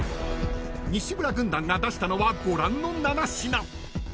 ［西村軍団が出したのはご覧の７品］